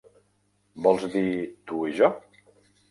Vols dir tu i jo?